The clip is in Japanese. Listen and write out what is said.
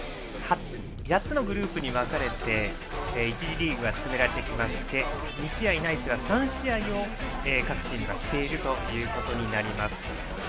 ８つのグループに分かれて１次リーグは進められまして２試合ないしは３試合を各チームがしていることになります。